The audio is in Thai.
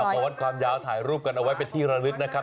เอามาวัดความยาวถ่ายรูปกันเอาไว้ไปที่ระนึกนะครับ